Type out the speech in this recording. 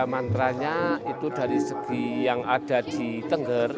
mantranya itu dari segi yang ada di tengger